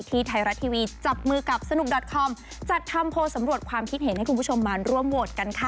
ไทยรัฐทีวีจับมือกับสนุกดอตคอมจัดทำโพลสำรวจความคิดเห็นให้คุณผู้ชมมาร่วมโหวตกันค่ะ